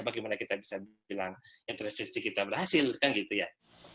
bagaimana kita bisa bilang intervensi kita berhasil kan gitu ya